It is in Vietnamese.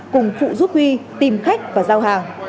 cùng phụ giúp huy tìm khách và giao hàng